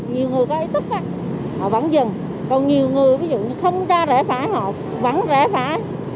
nhiều người có ý thức họ vẫn dừng còn nhiều người ví dụ không cho rẽ phải họ vẫn rẽ phải